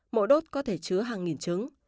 mỗi đốt có thể chứa hàng nghìn trứng